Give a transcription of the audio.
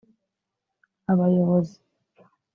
abayobozi